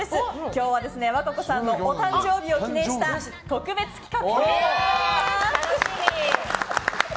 今日は和歌子さんのお誕生日を記念した特別企画となっております。